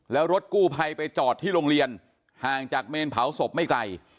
แล้วรถกู้ภัยไปจอดที่โรงเรียนห่างจากเมนเผาศพไม่ไกล